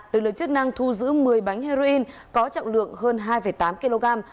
lực lượng chức năng thu giữ một mươi bánh heroin có trọng lượng hơn hai tám kg